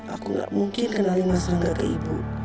aku gak mungkin kenalin mas rangga ke ibu